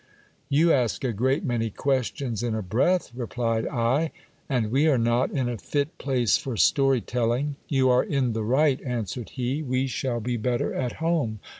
You ask a great many questions in a breath, replied I ; and we are not in a fit place for story telling. You are in the right, answered he ; we shall be better at home.